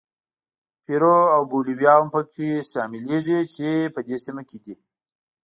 پیرو او بولیویا هم پکې شاملېږي چې په دې سیمو کې دي.